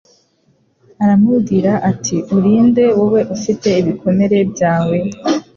aramubwira ati Uri nde wowe ufite ibikomere byawe